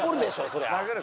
そりゃ。